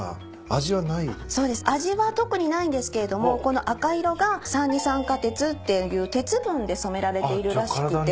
味は特にないんですけれどもこの赤色が三二酸化鉄っていう鉄分で染められているらしくて。